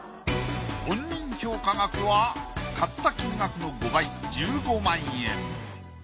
本人評価額は買った金額の５倍１５万円。